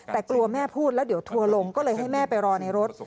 แต่กลัวแม่พูดแล้วเดี๋ยวทัวร์ลงก็เลยให้แม่ไปรอในรถ